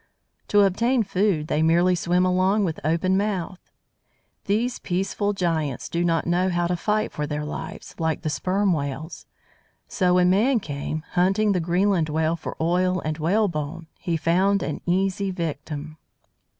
To obtain food, they merely swim along with open mouth. These peaceful giants do not know how to fight for their lives, like the Sperm Whales. So, when man came, hunting the Greenland Whale for oil and "whalebone," he found an easy victim.